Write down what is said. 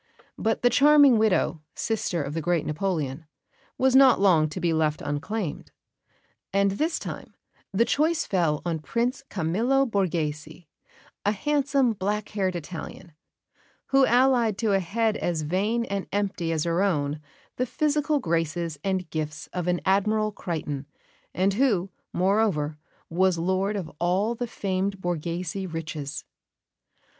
But the charming widow, sister of the great Napoleon, was not long to be left unclaimed; and this time the choice fell on Prince Camillo Borghese, a handsome, black haired Italian, who allied to a head as vain and empty as her own the physical graces and gifts of an Admirable Crichton, and who, moreover, was lord of all the famed Borghese riches.